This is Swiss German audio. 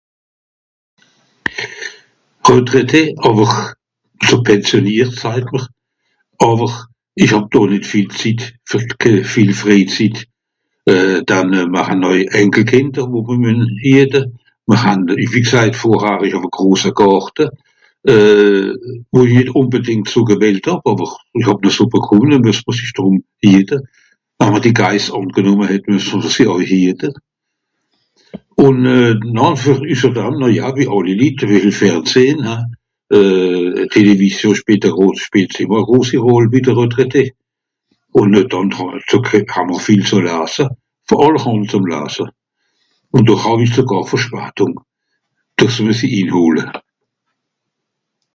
Retraité, àwer, so pensionniert sajt mr, àwer ìch hàb doch nìt viel Zitt, viel Fréizitt. euh... dann mr han àui Enkelkìnder wo mr müen (...). Mr han... wie gsajt vorhar ìch hàb e grose Gàrte, euh... wo i ùnbedìngt so gewìllt hàb àwer, i hàb ne so bekùmme noh mues mr sich drùm (...). Àwer die Geis àngenùmme hätt (...). Ùn euh... na (...) oh ja wie àlli Litt Fernsehn. Télévision spìelt e gros... spìelt ìmmer e grosi Rol bi de Retraités. Ùn dànn [unintelligible] hà'mr vìel zùm lase, vor (...) zem lase. Ùn do hàw-i noch verspatùng. dìs mues i ihole.